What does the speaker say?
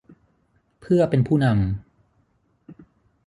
เพื่อเป็นผู้นำ